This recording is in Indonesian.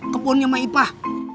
kebunnya sama ipah